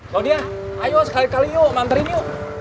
claudia ayo sekali kali yuk manterin yuk